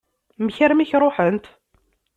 Amek armi i k-ṛuḥent?